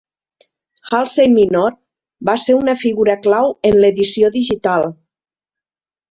Halsey Minor va ser una figura clau en l'edició digital.